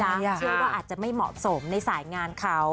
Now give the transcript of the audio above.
เชื่อว่าอาจจะไม่เหมาะสมในสายงานเขา